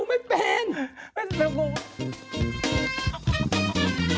ไปแล้วสวัสดีค่ะ